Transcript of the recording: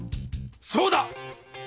そうだ！